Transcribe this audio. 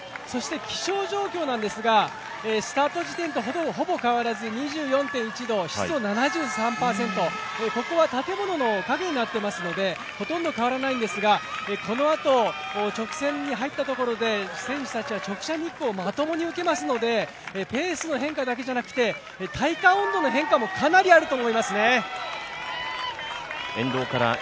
気象条件なんですがスタート時点とほぼ変わらず２４．１度、湿度７３％、ここは建物の影になっていますのでほとんど変わらないんですが、このあと直線に入ったところで選手たちは直射日光をまともに受けますので、ペースの変化だけじゃなくて、体感温度の変化もかなりあると思いますね。